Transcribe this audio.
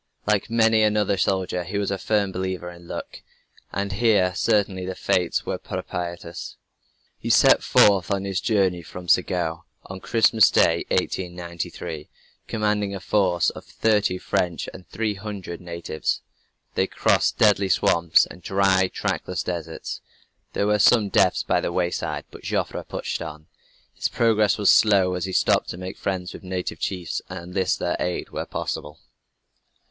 Like many another soldier he was a firm believer in "Luck," and here certainly the fates were propitious. He set forth on his journey from Segou, on Christmas Day, 1893, commanding a force of thirty French and three hundred natives. They crossed deadly swamps and dry, trackless deserts. There were some deaths by the wayside, but Joffre pushed on. His progress was slow, as he stopped to make friends with native chiefs, and enlist their aid where possible.